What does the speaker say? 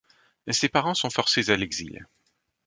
Ses parents sont forcés à l'exil.